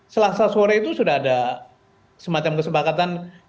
selasa sore itu sudah ada semacam kesepakatan